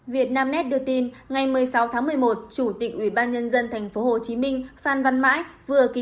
việt nam net đưa tin ngày một mươi sáu tháng một mươi một chủ tịch ủy ban nhân dân tp hcm phan văn mãi